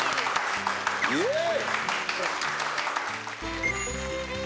イエイ！